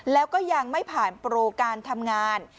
แล้วก็ยังไม่ผ่านโปรการทำงาน